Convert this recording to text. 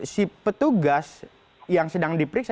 si petugas yang sedang diperiksa